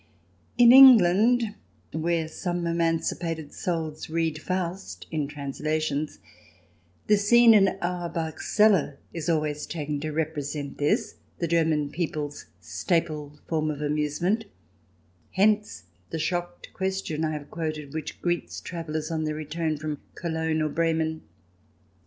In England, where some emancipated souls read Faust in translations, the scene in Auerbach's cellar is always taken to represent this, the German people's staple form of amusement; hence the shocked question I have quoted which greets travellers on their return from Cologne or Bremen.